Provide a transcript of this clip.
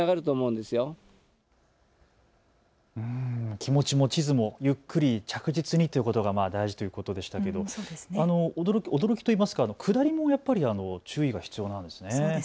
気持ちも地図もゆっくり、着実にということが大事ということでしたけど驚きといいますか下りもやっぱり注意が必要なんですね。